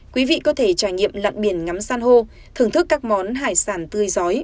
quý vị có thể trải nghiệm lặn biển ngắm san hô thưởng thức các món hải sản tươi gió